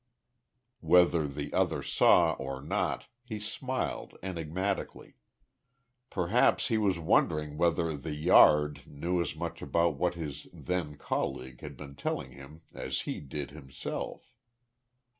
Whether the other saw or not, he smiled, enigmatically. Perhaps he was wondering whether "The Yard" knew as much about what his then colleague had been telling him as he did himself.